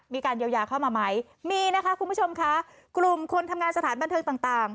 มีการเยียวยาเข้ามาไหมมีนะคะคุณผู้ชมค่ะกลุ่มคนทำงานสถานบันเทิงต่างต่าง